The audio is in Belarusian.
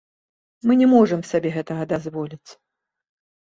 Мы не можам сабе гэтага дазволіць.